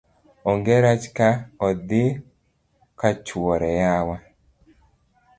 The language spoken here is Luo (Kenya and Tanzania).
ong'e rach ka odhi kachoure yawa